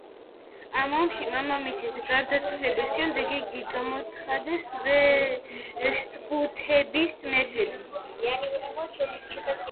ამ ომში მამამისის გარდაცვალების შემდეგ იგი გამოაცხადეს ვესტგუთების მეფედ.